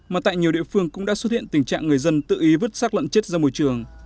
mà tại nhiều địa phương cũng đã xuất hiện tình trạng người dân tự ý vứt sát lợn chết ra môi trường